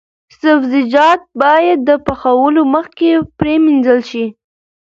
سبزیجات باید د پخولو مخکې پریمنځل شي.